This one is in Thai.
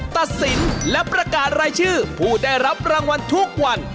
ตัดสินและประกาศรายชื่อผู้ได้รับรางวัลทุกวัน